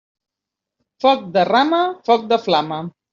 Foc de rama, foc de flama.